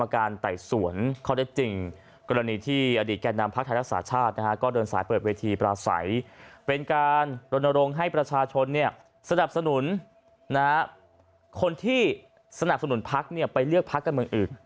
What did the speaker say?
คนที่สนับสนุนพักไปเลือกพักกันเมืองอื่น